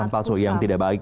palsu yang tidak baik